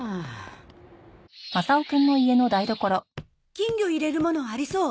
金魚入れる物ありそう？